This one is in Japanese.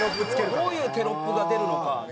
どういうテロップが出るのか。